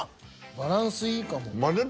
バランスいいかも。